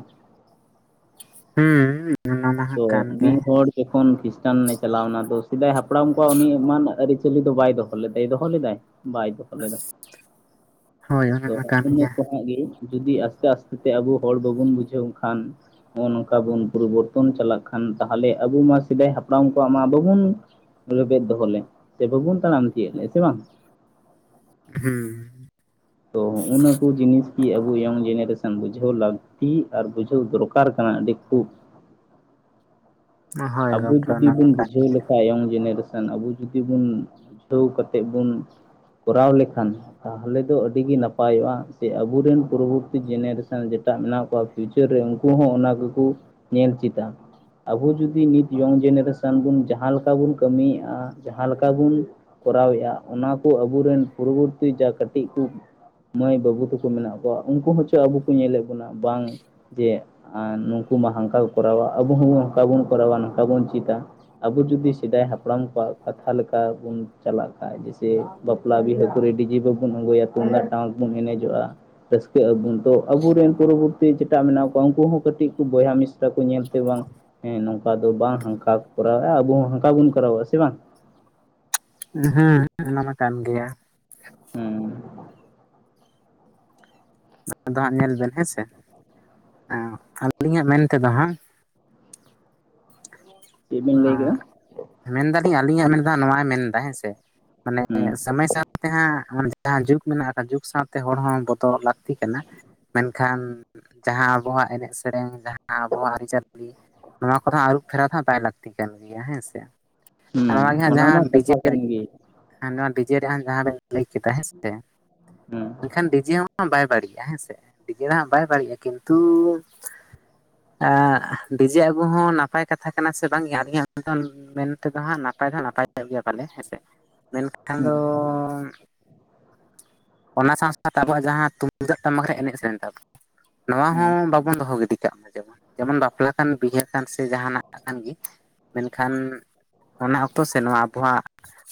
ᱦᱩᱸᱻ ᱛᱚ ᱢᱤᱫ ᱦᱚᱲ ᱡᱚᱠᱷᱚᱱ ᱠᱷᱤᱥᱴᱟᱱᱮ ᱪᱟᱞᱟᱣ ᱮᱱᱟ ᱫᱚ᱾ ᱥᱮᱫᱟᱭ ᱦᱟᱯᱲᱟᱢ ᱠᱚᱣᱟᱜ ᱩᱱᱤ ᱮᱢᱟᱱ ᱟᱹᱨᱤᱪᱟᱹᱞᱤ ᱫᱚ ᱵᱟᱭ ᱫᱚᱦᱚ ᱞᱮᱫᱟᱭ᱾ ᱫᱚᱦᱚ ᱞᱮᱫᱟᱭ? ᱵᱟᱭ ᱫᱚᱦᱚ ᱞᱮᱫᱟ᱾ ᱦᱳᱭ ᱚᱱᱟ ᱛᱚ ᱢᱟ ᱠᱟᱱ ᱤᱱᱟᱹ ᱜᱮᱭᱟ ᱠᱚ ᱡᱩᱫᱤ ᱟᱥᱛᱮ ᱟᱥᱛᱮ ᱛᱮ ᱟᱵᱚ ᱦᱚᱲ ᱵᱟᱵᱚᱱ ᱵᱩᱡᱷᱟᱹᱣ ᱠᱷᱟᱱ ᱱᱚᱜ-ᱚ ᱱᱚᱝᱠᱟ ᱵᱚᱱ ᱯᱚᱨᱤᱵᱚᱨᱛᱚᱱ ᱡᱚᱛᱚᱱ ᱪᱟᱞᱟᱜ ᱠᱷᱟᱱ ᱛᱟᱦᱚᱞᱮ ᱟᱵᱚ ᱢᱟ ᱥᱮᱫᱟᱭ ᱦᱟᱯᱲᱟᱢ ᱠᱚᱣᱟᱜ ᱢᱟ ᱵᱟᱵᱚᱱ ᱨᱮᱵᱮᱫ ᱫᱚᱦᱚ ᱞᱮᱫ ᱥᱮ ᱵᱟᱵᱚᱱ ᱛᱟᱲᱟᱢ ᱛᱤᱭᱟᱹᱜ ᱞᱮ ᱥᱮ ᱵᱟᱝ? ᱦᱮᱸ᱾ ᱛᱚ ᱦᱚᱜᱼᱚᱱᱟ ᱠᱚ ᱡᱤᱱᱤᱥ ᱜᱤ ᱟᱵᱚ ᱤᱭᱚᱝ ᱡᱮᱱᱟᱨᱮᱥᱚᱱ ᱵᱩᱡᱷᱟᱹᱣ ᱞᱟᱹᱠᱛᱤ ᱟᱨ ᱵᱩᱡᱷᱟᱹᱣ ᱫᱚᱨᱠᱟᱨ ᱠᱟᱱᱟ ᱟᱹᱰᱤ ᱠᱷᱩᱵ᱾ ᱦᱳᱭ ᱟᱵᱚ ᱜᱚᱢᱠᱮ ᱡᱩᱫᱤ ᱚᱱᱟ ᱢᱟ ᱵᱚᱱ ᱠᱟᱱ ᱵᱩᱡᱷᱟᱹᱣ ᱜᱮ ᱞᱮᱠᱷᱟᱱ ᱤᱭᱚᱝ ᱡᱮᱱᱟᱨᱮᱥᱚᱱ᱾ ᱠᱷᱟᱱ ᱟᱵᱚ ᱡᱩᱫᱤ ᱵᱚᱱ ᱵᱩᱡᱷᱟᱹᱣ ᱠᱟᱛᱮᱜ ᱵᱚᱱ ᱠᱚᱨᱟᱣ ᱞᱮᱠᱷᱟᱱ ᱛᱟᱦᱚᱞᱮ ᱫᱚ ᱟᱹᱰᱤ ᱟᱹᱰᱤ ᱜᱮ ᱱᱟᱯᱟᱭᱚᱜ-ᱟ ᱥᱮ ᱟᱵᱚᱨᱮᱱ ᱯᱚᱨᱚᱵᱚᱨᱛᱤ ᱡᱮᱱᱟᱨᱮᱥᱚᱱ ᱡᱮᱴᱟ ᱢᱮᱱᱟᱜ ᱠᱚᱣᱟ ᱪᱟᱹᱨ ᱨᱮ ᱩᱱᱠᱩ ᱦᱚᱸ ᱚᱱᱟ ᱜᱮᱠᱚ ᱧᱮᱞ ᱪᱮᱫᱟ᱾ ᱟᱵᱚ ᱡᱚᱫᱤ ᱱᱤᱛ ᱤᱭᱚᱝ ᱡᱮᱱᱟᱨᱮᱥᱚᱱ ᱵᱚᱱ ᱡᱟᱦᱟᱸᱮ ᱞᱮᱠᱟ ᱵᱚᱱ ᱠᱟᱹᱢᱤᱭᱮᱫᱼᱟ᱾ ᱡᱟᱦᱟᱸᱞᱮᱠᱟ ᱵᱚᱱ ᱠᱚᱨᱟᱣᱮᱫ-ᱟ, ᱚᱱᱟ ᱠᱚ ᱟᱵᱚᱨᱮᱱ ᱯᱚᱨᱚᱵᱚᱨᱛᱤ ᱡᱟ ᱠᱟᱹᱴᱤᱡ ᱠᱚ ᱢᱟᱹᱭ ᱵᱟᱹᱵᱩ ᱛᱟᱠᱚ ᱢᱮᱱᱟᱜ ᱠᱚᱣᱟ, ᱩᱱᱠᱩ ᱦᱚᱸ ᱪᱚ ᱟᱵᱚ ᱠᱚ ᱧᱮᱞᱮᱫ ᱵᱚᱱᱟ ᱵᱟᱝ ᱡᱮ ᱟ ᱱᱩᱠᱩ ᱢᱟ ᱦᱟᱱᱠᱟ ᱠᱚ ᱠᱚᱨᱟᱣᱟ ᱟᱵᱚ ᱦᱚᱸ ᱦᱚᱝᱠᱟ ᱵᱚᱱ ᱠᱚᱨᱟᱣᱟ, ᱱᱚᱝᱠᱟ ᱵᱚᱱ ᱪᱮᱫᱟ᱾ ᱟᱵᱚ ᱡᱩᱫᱤ ᱥᱮᱫᱟᱭ ᱦᱟᱯᱲᱟᱢ ᱠᱚᱣᱟᱜ ᱠᱟᱛᱷᱟ ᱞᱮᱠᱟ ᱵᱩᱱ ᱪᱟᱞᱟᱜ ᱠᱷᱟᱱᱡ ᱡᱮᱭᱥᱮ ᱵᱟᱯᱞᱟ ᱵᱤᱦᱟᱹ ᱠᱚᱨᱮ ᱰᱤᱡᱮ ᱵᱟᱵᱚᱱ ᱟᱜᱩᱭᱟ, ᱛᱩᱢᱫᱟᱜ ᱴᱟᱢᱟᱠ ᱵᱚᱱ ᱮᱱᱮᱡᱚᱜ-ᱟ᱾ ᱨᱟᱹᱥᱠᱟᱹᱜ ᱟᱵᱚᱱ ᱛᱚ ᱟᱵᱚᱨᱮᱱ ᱯᱚᱨᱚᱵᱚᱨᱛᱤ ᱡᱮᱴᱟᱜ ᱢᱮᱱᱟᱜ ᱠᱚᱣᱟ ᱩᱱᱠᱩ ᱦᱚᱸ ᱠᱟᱹᱴᱤᱡ ᱠᱚ ᱵᱚᱭᱦᱟ ᱢᱤᱥᱨᱟ ᱠᱚ ᱧᱮᱞᱛᱮ ᱵᱟᱝ ᱦᱮᱸ ᱱᱚᱝᱠᱟ ᱫᱚ ᱵᱟᱝ, ᱦᱟᱱᱠᱟ ᱠᱚ ᱠᱚᱨᱟᱣᱮᱫᱼᱟ ᱟᱵᱚ ᱦᱚᱸ ᱦᱟᱱᱠᱟ ᱵᱚᱱ ᱠᱚᱨᱟ ᱥᱮ ᱵᱟᱝ᱾ ᱦᱮᱸ ᱚᱱᱟᱢᱟ ᱠᱟᱱ ᱜᱮᱭᱟ᱾ ᱦᱮᱸ᱾ ᱟᱫᱚ ᱦᱟᱸᱜ ᱧᱮᱞ ᱵᱮᱱ ᱦᱮᱸᱥᱮ᱾ ᱟᱸ ᱟᱹᱞᱤᱧᱟᱜ ᱢᱮᱱ ᱛᱮᱫᱚ ᱦᱟᱸᱜ ᱪᱮᱫ ᱵᱤᱱ ᱞᱟᱹᱭ ᱠᱮᱫᱟ ᱟᱸ᱾ ᱢᱮᱱᱫᱟᱞᱤᱧ ᱟᱹᱞᱤᱧᱟᱜ ᱢᱮᱱ ᱫᱚ ᱦᱟᱸᱜ ᱱᱚᱣᱟᱭ ᱢᱮᱱᱫᱟ ᱦᱮᱸ ᱥᱮ ᱢᱟᱱᱮ ᱦᱮᱸ ᱥᱚᱢᱚᱭ ᱥᱟᱶᱛᱮ ᱦᱟᱸᱜ ᱡᱟᱦᱟᱸ ᱡᱩᱜᱽ ᱢᱮᱱᱟᱜ ᱟᱠᱟᱫ, ᱡᱩᱜᱽ ᱥᱟᱶᱛᱮ ᱦᱚᱲ ᱦᱚᱸ ᱵᱚᱫᱚᱞ ᱞᱟᱹᱠᱛᱤ ᱠᱟᱱᱟ᱾ ᱢᱮᱱᱠᱷᱟᱱ ᱡᱟᱦᱟᱸ ᱟᱵᱚᱣᱟᱜ ᱮᱱᱮᱡ ᱥᱮᱨᱮᱧ ᱡᱟᱦᱟᱸ ᱟᱵᱚᱣᱟᱜ ᱟᱹᱨᱤᱪᱟᱹᱞᱤ ᱱᱚᱣᱟ ᱠᱚᱫᱚ ᱟᱹᱨᱩᱵ ᱯᱷᱮᱨᱟᱣ ᱫᱚ ᱦᱟᱸᱜ ᱵᱟᱭ ᱞᱟᱹᱠᱛᱤ ᱠᱟᱱ ᱜᱮᱭᱟ ᱦᱮᱸ ᱥᱮ᱾ ᱟᱨ ᱦᱮᱸ ᱚᱱᱟᱜᱮ ᱦᱟᱸᱜ ᱚᱱᱟ ᱡᱟᱦᱟᱸ ᱢᱟ ᱰᱤᱡᱮ ᱠᱟᱛᱷᱟ ᱠᱟᱱ ᱜᱮ [unintelligible] ᱱᱚᱣᱟ ᱰᱤᱡᱮ ᱨᱮᱭᱟᱜ ᱡᱟᱦᱟᱸ ᱵᱮᱱ ᱞᱟᱹᱭ ᱠᱮᱫᱟ ᱦᱮᱸ ᱥᱮ᱾ ᱦᱮᱸ ᱢᱮᱱᱠᱷᱟᱱ ᱰᱤᱡᱮ ᱦᱚᱸ ᱵᱟᱭ ᱵᱟᱹᱲᱤᱡᱼᱟ ᱦᱮᱸ ᱥᱮ᱾ ᱰᱤᱡᱮ ᱫᱚ ᱦᱟᱸᱜ ᱵᱟᱭ ᱫᱟᱹᱲᱜ-ᱟ ᱠᱤᱱᱛᱩ ᱟᱸ ᱰᱤᱡᱮ ᱟᱹᱜᱩ ᱦᱚᱸ ᱱᱟᱯᱟᱭ ᱠᱟᱛᱷᱟ ᱠᱟᱱᱟ ᱥᱮ ᱵᱟᱝᱜᱮ ᱟᱞᱤᱧᱟᱜ ᱢᱮᱱ ᱛᱮᱫᱚ ᱦᱟᱸᱜ ᱱᱟᱯᱟᱭ ᱫᱚ ᱱᱟᱯᱟᱭᱧᱚᱜ ᱜᱮᱭᱟ ᱯᱟᱞᱮ ᱦᱮᱸᱥᱮ᱾ ᱢᱮᱱᱠ ᱠᱷᱟᱱ ᱦᱮᱸ ᱫᱚ ᱚᱱᱟ ᱥᱟᱶ ᱥᱟᱶᱛᱮ ᱟᱵᱚᱣᱟᱜ ᱡᱟᱦᱟᱸ ᱛᱩᱢᱫᱟᱜ ᱴᱟᱢᱟᱠ ᱮᱱᱮᱡ ᱥᱮᱨᱮᱧ ᱛᱟᱵᱚᱱᱟ ᱱᱚᱣᱟ ᱦᱚᱸ ᱦᱮᱸ ᱵᱟᱵᱚ ᱵᱚᱱ ᱫᱚᱦᱚ ᱜᱤᱰᱤ ᱠᱟᱜ ᱢᱟ ᱡᱮᱢᱚᱱ᱾ ᱡᱮᱢᱚᱱ ᱵᱟᱯᱞᱟ ᱠᱟᱱ ᱵᱤᱦᱟᱹ ᱠᱟᱱ ᱥᱮ ᱡᱟᱦᱟᱱᱟᱜ ᱠᱟᱱ ᱜᱮ ᱢᱮᱱᱠᱷᱟᱱ ᱚᱱᱟ ᱚᱠᱛᱚ ᱥᱮ ᱱᱚᱣᱟ ᱟᱵᱚᱣᱟᱜ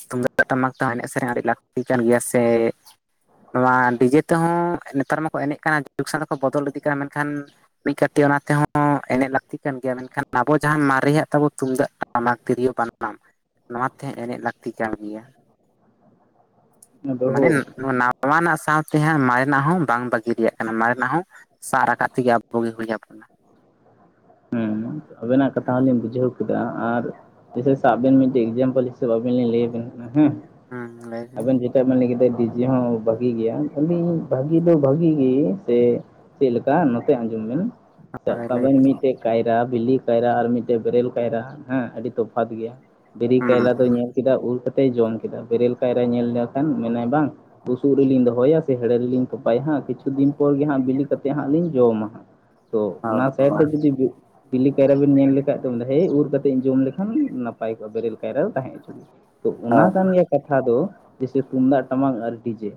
ᱛᱩᱢᱫᱟᱜ ᱴᱟᱢᱟᱠ ᱛᱮᱦᱚᱸ ᱮᱱᱮᱡ ᱥᱮᱨᱮᱧ ᱟᱹᱰᱤ ᱞᱟᱹᱠᱛᱤ ᱠᱟᱱ ᱜᱮᱭᱟ ᱥᱮ ᱱᱚᱣᱟ ᱰᱤᱡᱮ ᱛᱮᱦᱚᱸ ᱱᱮᱛᱟᱨ ᱢᱟᱠᱚ ᱮᱱᱮᱡ ᱠᱟᱱᱟ ᱡᱩᱜᱽ ᱥᱟᱶᱛᱮ ᱠᱚ ᱵᱚᱫᱚᱞ ᱤᱫᱤᱜ ᱠᱟᱱᱟ ᱢᱮᱱᱠᱷᱟᱱ ᱢᱤᱫ ᱠᱟᱹᱴᱤᱡ ᱚᱱᱟ ᱛᱮᱦᱚᱸ ᱮᱱᱮᱡ ᱞᱟᱹᱠᱛᱤ ᱠᱟᱱ ᱜᱮᱭᱟ ᱢᱮᱱᱠᱷᱟᱱ ᱟᱵᱚ ᱡᱟᱦᱟ ᱢᱟᱨᱮᱭᱟᱜ ᱛᱟᱵᱚ ᱛᱩᱢᱫᱟᱹᱜ, ᱴᱟᱢᱟᱠ, ᱛᱤᱨᱭᱳ ᱵᱟᱱᱟᱢ ᱱᱚᱣᱟ ᱛᱮᱦ ᱮᱱᱮᱡ ᱞᱟᱹᱠᱛᱤ ᱠᱟᱱ ᱜᱮᱭᱟ᱾ ᱢᱟᱱᱮ ᱟᱫᱚ ᱱᱟᱣᱟᱱᱟᱜ ᱥᱟᱶᱛᱮᱦᱟᱸᱜ ᱢᱟᱨᱮᱱᱟᱜ ᱦᱚᱸ ᱵᱟᱝ ᱵᱟᱹᱜᱤ ᱨᱮᱭᱟᱜ ᱠᱟᱱᱟ ᱢᱟᱨᱮᱱᱟᱜ ᱦᱚᱸ ᱥᱟᱵ ᱨᱟᱠᱟᱵ ᱛᱮᱜᱮ ᱟᱵᱚᱜᱮ ᱦᱩᱭ ᱟᱵᱚᱱᱟ᱾ ᱦᱮᱸ ᱟᱵᱮᱱᱟᱜ ᱠᱟᱛᱷᱟ ᱦᱚᱸᱞᱤᱧ ᱵᱩᱡᱷᱟᱹᱣ ᱴᱮᱫᱟ ᱟᱨ ᱡᱮᱥᱮ ᱥᱮ ᱟᱵᱮᱱ ᱢᱤᱫᱴᱮᱱ ᱮᱠᱡᱟᱢᱯᱮᱞ ᱦᱤᱥᱟᱹᱵ ᱟᱵᱤᱱ ᱞᱤᱧ ᱞᱟᱹᱭ ᱟᱵᱤᱱ ᱠᱟᱱᱟ ᱦᱩᱸ᱾ ᱦᱩᱸ ᱞᱟᱹᱭ ᱵᱤᱱ ᱾ ᱞᱟᱹᱭ ᱠᱮᱫᱟ ᱰᱤᱡᱮ ᱦᱚᱸ ᱵᱷᱟᱜᱤ ᱜᱮᱭᱟ ᱵᱷᱟᱹᱜᱤ ᱫᱚ ᱵᱷᱟᱜᱤ ᱜᱮ ᱥᱮ ᱪᱮᱜᱞᱮᱠᱟ ᱱᱚᱛᱮ ᱟᱸᱡᱚᱢ ᱵᱤᱱ ᱥᱟᱵ ᱦᱳᱭ ᱠᱟᱜ ᱞᱟᱹᱭ ᱵᱤᱱ ᱢᱤᱫᱴᱮᱡ [unintelligible] ᱵᱤᱞᱤ ᱠᱟᱭᱨᱟ ᱟᱨ ᱢᱤᱫᱴᱮᱡ ᱵᱮᱨᱮᱞ ᱠᱟᱭᱨᱟ ᱦᱮᱸ ᱟᱹᱰᱤ ᱛᱚᱯᱷᱟᱛ ᱜᱮᱭᱟ, ᱵᱤᱞᱤ ᱠᱟᱭᱨᱟ ᱦᱩᱸ ᱫᱚ ᱧᱮᱞ ᱠᱮᱫᱟ ᱩᱨ ᱠᱟᱛᱮ ᱡᱚᱢ ᱠᱮᱫᱟ ᱵᱮᱨᱮᱞ ᱠᱟᱭᱨᱟᱭ ᱧᱮᱞ ᱞᱮᱠᱷᱟᱱ ᱢᱮᱱᱟᱭ ᱵᱟᱝ ᱵᱩᱥᱩᱵ ᱨᱮᱞᱤᱧ ᱫᱚᱦᱚᱭᱟ ᱥᱮ ᱦᱮᱲᱮ ᱨᱮᱞᱤᱧ ᱛᱚᱯᱟᱭᱟ ᱦᱟᱸᱜ ᱠᱤᱪᱷᱩ ᱫᱤᱱᱚᱨ ᱜᱮ ᱦᱟᱸᱜ ᱵᱤᱞᱤ ᱠᱟ ᱠᱟᱛᱮᱜ ᱦᱟᱸᱜ ᱞᱤᱧ ᱡᱚᱢᱟ ᱾ ᱛᱚ ᱚᱱᱟ ᱥᱟᱭᱤᱰ ᱨᱮ ᱡᱩᱫᱤ ᱵᱤᱞᱤ ᱠᱟᱭᱨᱟ ᱵᱮᱱ ᱧᱮᱞ ᱞᱮᱠᱷᱟᱡ ᱫᱚ ᱦᱮᱸ ᱩᱨ ᱠᱟᱛᱮᱜ ᱤᱧ ᱡᱚᱢ ᱞᱮᱠᱷᱟᱱ ᱱᱟᱯᱟᱭ ᱠᱚᱜ-ᱟ ᱵᱮᱨᱮᱞ ᱠᱟᱭᱨᱟ ᱫᱚ ᱛᱟᱦᱮᱸ ᱦᱚᱪᱚᱱᱤᱡ ᱾ ᱛᱚ ᱚᱱᱟ ᱠᱟᱱ ᱜᱮᱭᱟ ᱠᱟᱛᱷᱟ ᱫᱚ ᱡᱮᱭᱥᱮ ᱛᱩᱢᱫᱟᱜ ᱴᱟᱢᱟᱠ ᱟᱨ ᱰᱤᱡᱮ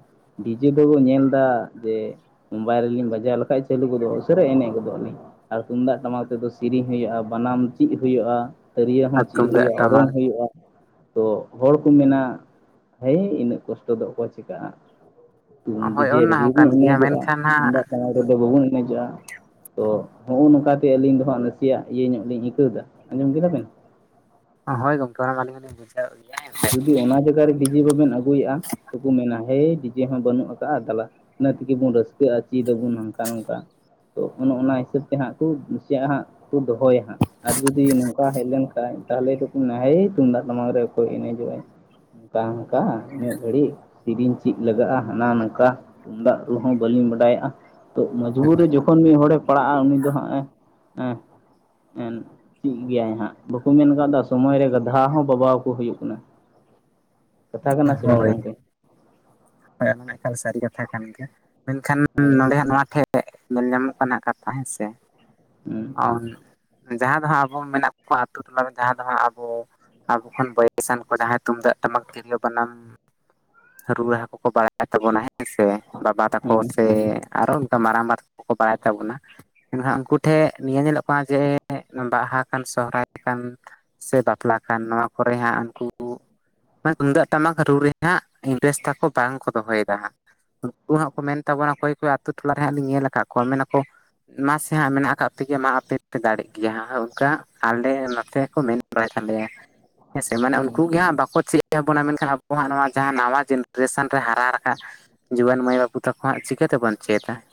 ᱰᱤᱡᱮ ᱫᱚᱵᱚ ᱧᱮᱞᱫᱟ ᱡᱮ ᱢᱳᱵᱟᱭᱤᱞ ᱨᱮᱞᱤᱧ ᱵᱟᱡᱟᱣ ᱞᱮᱠᱷᱟᱡ ᱪᱟᱹᱞᱩ ᱜᱚᱫᱚᱜ-ᱟ ᱩᱥᱟᱹᱨᱟ ᱮᱱᱮᱡ ᱜᱚᱫᱚᱜ ᱟᱹᱤᱧ ᱟᱨ ᱛᱩᱢᱫᱟᱜ ᱴᱟᱢᱟᱠ ᱛᱮᱫᱚ ᱥᱮᱨᱤᱧ ᱦᱩᱭᱩᱜ-ᱟ ᱵᱟᱱᱟᱢ ᱪᱮᱜ ᱦᱩᱭᱩᱜ-ᱟ ᱛᱤᱨᱭᱟᱹ ᱦᱚᱸ ᱟᱨ ᱪᱮᱫ ᱛᱩᱢᱫᱟᱜ ᱦᱩᱭᱩᱜ-ᱟ ᱚᱨᱚᱝ ᱴᱟᱢᱟᱠ ᱦᱩᱭᱩᱜ-ᱟ᱾ ᱛᱚ ᱦᱚᱲ ᱠᱚ ᱢᱮᱱᱟ ᱦᱮᱭ ᱤᱱᱟᱹᱜ ᱠᱚᱥᱴᱚ ᱫᱚ ᱚᱠᱚᱭ ᱪᱤᱠᱟᱹᱜ-ᱟ᱾ ᱛᱩᱢ ᱦᱳᱭ ᱰᱤᱡᱮ ᱚᱱᱟ ᱨᱮᱜᱮ ᱦᱚᱸ ᱵᱚ ᱠᱟᱱ ᱜᱮᱭᱟ ᱮᱱᱮᱡᱚᱜ-ᱟ ᱢᱮᱱᱠᱷᱟᱱ ᱦᱟᱸᱜ [unintelligible] ᱥᱟᱢᱟᱝ ᱨᱮᱫᱚ ᱵᱟᱵᱚᱱ ᱮᱱᱮᱡᱚᱜ-ᱟ ᱛᱚ ᱱᱚᱜ-ᱚ ᱱᱚᱝᱠᱟᱛᱮ ᱟᱹᱞᱤᱧ ᱫᱚ ᱦᱟᱸᱜ ᱪᱮᱭᱟᱜ ᱤᱭᱟᱹ ᱧᱚᱜ ᱞᱤᱧ ᱟᱹᱭᱠᱟᱹᱣᱫᱟ ᱟᱸᱡᱚᱢ ᱠᱮᱫᱟ ᱵᱤᱱ᱾ ᱦᱳᱭ ᱜᱚᱝᱠᱮ ᱚᱱᱟ ᱢᱟᱞᱤᱧ ᱡᱩᱫᱤ ᱚᱱᱟ ᱡᱟᱭᱟᱨᱮ ᱰᱤᱡᱮ ᱵᱟᱵᱮᱱ ᱟᱹᱜᱩᱭᱮᱜ-ᱟ ᱛᱚᱠᱚ ᱢᱮᱱᱟ ᱦᱮᱭ ᱰᱤᱡᱮ ᱦᱚᱸ ᱵᱟᱹᱱᱩᱜ ᱠᱟᱜ-ᱟ ᱫᱟᱞᱟ ᱤᱱᱟᱹ ᱛᱮᱜᱮ ᱵᱚᱱ ᱨᱟᱹᱥᱠᱟᱹᱜ-ᱟ ᱪᱮᱫ ᱟᱵᱚᱱ ᱦᱟᱝᱠᱟ ᱱᱚᱝᱠᱟ ᱾ ᱛᱚ ᱚᱱᱮ ᱚᱱᱟ ᱦᱤᱥᱟᱹᱵ ᱛᱮ ᱦᱟᱸᱜ ᱠᱚ ᱠᱩᱥᱤᱭᱟᱜ ᱦᱟᱸᱜ ᱠᱚ ᱫᱚᱦᱚᱭᱟ ᱦᱟᱸᱜ ᱾ ᱟᱨ ᱡᱩᱫᱤ ᱱᱚᱝᱠᱟ ᱦᱮᱡ ᱞᱮᱱᱠᱷᱟᱡ ᱛᱟᱦᱚᱞᱮ ᱛᱚᱠᱚ ᱢᱮᱱᱟ ᱦᱮᱭ ᱛᱩᱢᱫᱟᱜ ᱴᱟᱢᱟᱠ ᱨᱮ ᱚᱠᱚᱭ ᱮᱱᱮᱡᱚᱜ-ᱟᱭ᱾ ᱠᱟ ᱦᱟᱝᱠᱟ ᱩᱱᱟᱹᱜ ᱜᱷᱟᱹᱲᱤᱡ ᱥᱮᱨᱤᱧ ᱪᱮᱜ ᱞᱟᱜᱟᱜ-ᱟ ᱦᱟᱱᱟ ᱱᱟᱝᱠᱟ ᱛᱩᱢᱫᱟᱜ ᱨᱩ ᱦᱚᱸ ᱵᱟᱹᱞᱤᱧ ᱵᱟᱰᱟᱭᱮᱜ-ᱟ ᱛᱚ ᱢᱚᱡᱽᱵᱩᱨ ᱨᱮ ᱡᱚᱠᱷᱚᱱ ᱢᱤᱫ ᱦᱚᱲᱮ ᱯᱟᱲᱟᱜ-ᱟ ᱩᱱᱤ ᱫᱚ ᱦᱟᱸᱜ ᱮ ᱦᱮᱸ ᱪᱮᱫ ᱜᱮᱭᱟᱭ ᱦᱟᱸᱜ ᱵᱟᱠᱚ ᱢᱮᱱ ᱠᱟᱫᱟ ᱥᱚᱢᱚᱭ ᱨᱮ ᱜᱟᱫᱷᱟ ᱦᱚᱸ ᱵᱟᱵᱟ ᱠᱚ ᱦᱩᱭᱩᱜ ᱠᱟᱱᱟ ᱠᱟᱛᱷᱟ ᱠᱟᱱᱟ ᱥᱮ ᱵᱟᱝ ᱦᱳᱭ ᱜᱚᱢᱠᱮ᱾ ᱦᱳᱭ ᱚᱱᱟ ᱢᱟ ᱮᱠᱟᱞ ᱥᱟᱹᱨᱤ ᱠᱟᱛᱷᱟ ᱠᱟᱱ ᱜᱮᱭᱟ, ᱢᱮᱱᱠᱷᱟᱱ ᱦᱳᱭ ᱱᱚᱰᱮ ᱱᱚᱣᱟ ᱴᱷᱮᱡ ᱧᱮᱞ ᱧᱟᱢᱚᱜ ᱠᱟᱱᱟ ᱠᱟᱛᱷᱟ ᱦᱮᱸ ᱥᱮ ᱦᱩᱸ ᱟᱨ ᱡᱟᱦᱟᱸ ᱫᱚ ᱦᱟᱸᱜ ᱟᱵᱚ ᱢᱮᱱᱟᱜ ᱠᱚᱣᱟ ᱟᱛᱳ ᱴᱚᱞᱟᱨᱮ ᱡᱟᱦᱟᱸ ᱫᱚ ᱦᱟᱸᱜ ᱟᱵᱚ ᱟᱵᱚ ᱠᱷᱚᱱ ᱵᱚᱭᱮᱥᱟᱱ ᱠᱚ ᱡᱟᱦᱟᱸᱭ ᱛᱩᱢᱫᱟᱜ, ᱴᱟᱢᱟᱠ, ᱛᱤᱨᱭᱳ ᱵᱟᱱᱟᱢ [inaudible] ᱠᱚ ᱠᱚ ᱵᱟᱲᱟᱭ ᱛᱟᱵᱚᱱᱟ ᱦᱮᱸ ᱥᱮ ᱵᱟᱵᱟ ᱛᱟᱠᱚ ᱦᱩᱸ ᱥᱮ ᱟᱨᱚ ᱚᱱᱠᱟ ᱢᱟᱨᱟᱝ ᱢᱟᱨᱟᱝ ᱠᱚᱠᱚ ᱵᱟᱲᱟᱭ ᱛᱟᱵᱚᱱᱟ, ᱢᱮᱱᱠᱷᱟᱱ ᱩᱱᱠᱩ ᱴᱷᱮᱡ ᱱᱤᱭᱟᱹ ᱧᱮᱞᱚᱜ ᱠᱟᱱᱟ ᱡᱮ ᱵᱟᱦᱟ ᱠᱟᱱ ᱥᱚᱦᱚᱨᱟᱭ ᱠᱟᱱ ᱥᱮ ᱵᱟᱯᱞᱟ ᱠᱟᱱ ᱱᱚᱣᱟ ᱠᱚᱨᱮ ᱦᱟᱸᱜ ᱩᱱᱠᱩ ᱢᱟᱱᱮ ᱛᱩᱢᱫᱟᱹᱜ ᱴᱟᱢᱟᱠ ᱨᱩ ᱨᱮᱱᱟᱜ ᱤᱱᱴᱮᱨᱮᱥ ᱛᱟᱠᱚ ᱵᱟᱝᱠᱚ ᱫᱚᱦᱚᱭᱫᱟ ᱦᱟᱸᱜ ᱾ ᱩᱱᱠᱩ ᱦᱟᱸᱜ ᱠᱚ ᱢᱮᱱ ᱛᱟᱵᱚᱱᱟ ᱚᱠᱚᱭ ᱠᱚ ᱟᱛᱳ ᱴᱚᱞᱟᱨᱮ ᱦᱟᱸᱜ ᱞᱤᱧ ᱧᱮᱞ ᱠᱟᱜ ᱠᱚᱣᱟ ᱢᱮᱱᱟᱠᱚ ᱢᱟᱥᱮ ᱦᱟᱸᱜ ᱢᱮᱱᱟᱜ ᱠᱟᱜ ᱯᱮ ᱜᱮᱭᱟ ᱢᱟ ᱟᱯᱮ ᱯᱮ ᱫᱟᱲᱮᱜ ᱜᱮᱭᱟ ᱚᱱᱠᱟ ᱟᱞᱮ ᱱᱚᱛᱮ ᱠᱚ ᱢᱮᱱ ᱵᱟᱲᱟᱭ ᱛᱟᱞᱮᱭᱟ ᱾ [unintelligible] ᱦᱮᱸᱥᱮ ᱢᱟᱱᱮ ᱦᱩᱸ ᱩᱱᱠᱩᱜ ᱜᱮ ᱦᱟᱸᱜ ᱵᱟᱠᱚ ᱪᱮᱫ ᱟᱵᱚᱱᱟ ᱢᱮᱱᱠᱷᱟᱱ ᱟᱵᱚᱣᱟᱜ ᱱᱚᱣᱟ ᱡᱟᱦᱟᱸ ᱱᱟᱣᱟ ᱡᱮᱱᱟ ᱮᱥᱚᱱ ᱨᱮ ᱦᱟᱨᱟ ᱨᱟᱠᱟᱵ ᱡᱩᱣᱟᱹᱱ ᱢᱟᱹᱭ ᱵᱟᱹᱵᱩ ᱛᱟᱠᱚ ᱦᱟᱸᱜ ᱪᱤᱠᱟᱹ ᱛᱮ ᱵᱚᱱ ᱪᱮᱫ-ᱟ ᱾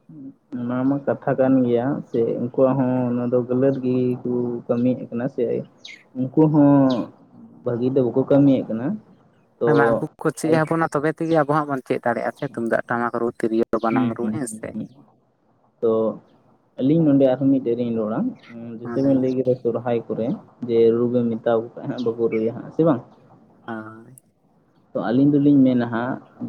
[unintelligible] ᱚᱱᱟ ᱢᱟ ᱠᱟᱛᱷᱟ ᱠᱟᱱ ᱜᱮᱭᱟ ᱥᱮ ᱩᱱᱠᱩᱣᱟᱜ ᱦᱚᱸ ᱚᱱᱟ ᱫᱚ ᱜᱟᱹᱞᱟᱹᱛ ᱜᱮᱠᱚ ᱠᱟᱹᱢᱤᱭᱮᱫ ᱠᱟᱱᱟ ᱥᱮ ᱩᱱᱠᱩ ᱦᱚᱸ ᱵᱷᱟᱹᱜᱤ ᱫᱚ ᱵᱟᱠᱚ ᱠᱟᱹᱢᱤᱭᱮᱜ ᱠᱟᱱᱟ ᱾ ᱦᱮᱸ ᱢᱟ ᱩᱱᱠᱩ ᱠᱚ ᱪᱮᱫ ᱟᱵᱚᱱᱟ ᱛᱚᱵᱮ ᱛᱮᱜᱮ ᱟᱵᱚᱣᱟᱜ [unintelligible] ᱪᱮᱫ ᱫᱟᱲᱮᱭᱟᱜ-ᱟ ᱥᱮ ᱛᱩᱢᱫᱟᱜ ᱴᱟᱢᱟᱠ ᱨᱩ ᱛᱤᱨᱭᱳ ᱵᱟᱱᱟᱢ ᱨᱩ ᱦᱩᱸ ᱦᱮᱸ ᱦᱩᱸ ᱥᱮ᱾ ᱦᱩᱸ ᱛᱚ, ᱟᱹᱞᱤᱧ ᱱᱚᱰᱮ ᱟᱨᱦᱚᱸ ᱢᱤᱫᱴᱮᱡ ᱞᱤᱧ ᱨᱚᱲᱟ, ᱩᱸ ᱚᱱᱟ ᱡᱮᱭᱥᱮ ᱵᱤᱱ ᱞᱟᱹᱭ ᱞᱟᱹᱜᱤᱫ ᱠᱮᱫᱟ ᱥᱚᱨᱦᱟᱭ ᱠᱚᱨᱮ ᱡᱮ ᱨᱩ ᱵᱤᱱ ᱢᱮᱛᱟ ᱠᱚ ᱠᱷᱟᱡ ᱦᱟᱸᱜ ᱵᱟᱠᱚ ᱨᱩᱭᱟ ᱦᱟᱸᱜ ᱥᱮ ᱵᱟᱝ? [unintelligible] ᱛᱚ ᱟᱹᱞᱤᱧ ᱫᱚᱞᱤᱧ ᱢᱮᱱᱟ ᱦᱟᱸᱜ